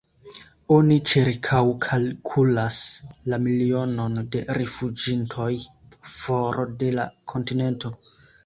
Oni ĉirkaŭkalkulas la milionon de rifuĝintoj for de la kontinento.